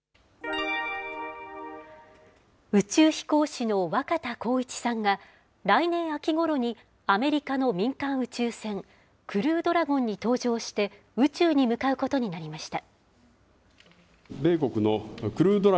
宇宙飛行士の若田光一さんが、来年秋ごろに、アメリカの民間宇宙船、クルードラゴンに搭乗して、宇宙に向かうことになりました。